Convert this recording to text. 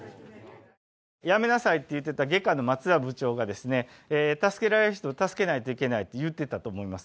「やめなさい」って言ってた外科の松田部長がですね「助けられる人を助けないといけない」って言ってたと思います。